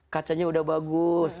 kacanya udah bagus